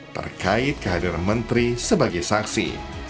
terkait kehadiran menteri sebagai saksi